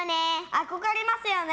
憧れますよね。